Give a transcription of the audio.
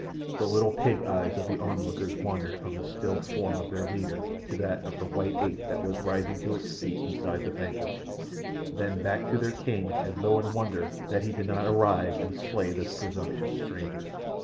The little pig eyes of the onlookers wandered from the still form of their leader to that of the white ape that was rising to its feet beside the vanquished, then back to their king as though in wonder that he did not arise and slay this presumptuous stranger.